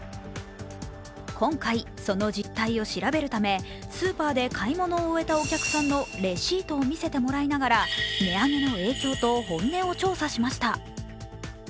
今回、その実態を調べるためスーパーで買い物を終えたお客さんのレシートを見せてもらいながら値上げの影響と本音を調査しました。